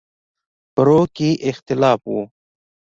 فروع کې اختلاف و.